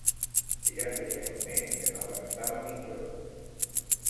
Ja feia un mes que no gastava mitjons